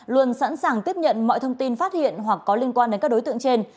luôn sẵn sàng tiếp nhận mọi thông tin phát hiện hoặc có liên quan đến các đối tượng trên